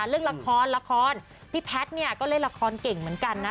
เรื่องละครละครพี่แพทย์เนี่ยก็เล่นละครเก่งเหมือนกันนะ